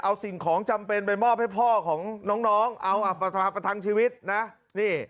เอาสิ่งของจำเป็นไปมอบให้พ่อของน้องเอาประทังชีวิตนะนี่